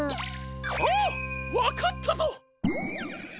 あっわかったぞ！